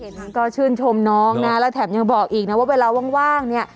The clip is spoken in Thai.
ก็ชื่นชมน้องนะแล้วแถมยังบอกอีกนะว่าเวลาว่างเนี่ย